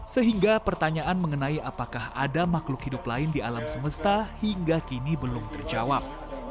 sehingga pertanyaan mengenai apakah ada makhluk hidup lain di alam semesta hingga kini belum terjawab